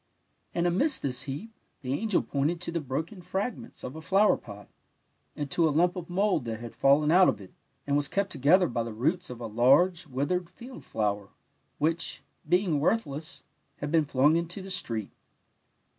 And amidst this heap the angel pointed to the broken fragments of a flower pot, and to a lump of mould that had fallen out of it, and was kept together by the roots of a large, withered field flower, which, being worthless, had been flung into the street.